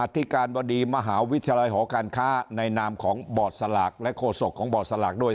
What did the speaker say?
ธิการบดีมหาวิทยาลัยหอการค้าในนามของบอร์ดสลากและโฆษกของบอร์ดสลากด้วย